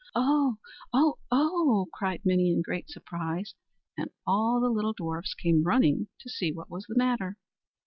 "Oh! oh! oh!" cried Minnie, in great surprise; and all the little dwarfs came running to see what was the matter.